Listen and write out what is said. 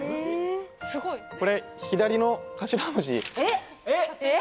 すごいこれ左の頭文字えっ！？